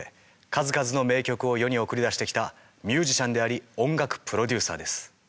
数々の名曲を世に送り出してきたミュージシャンであり音楽プロデューサーです。